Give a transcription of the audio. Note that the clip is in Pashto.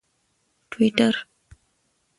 ټویټر